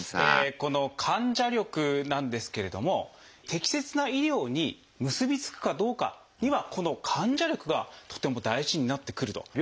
この患者力なんですけれども適切な医療に結びつくかどうかにはこの患者力がとても大事になってくると。